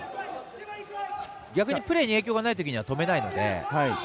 逆にプレーに影響がないときは止めないので。